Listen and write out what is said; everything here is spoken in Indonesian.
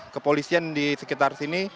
kepolisian di sekitar sini